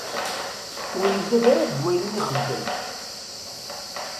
Ur izad ara deg wayen i ixeddem.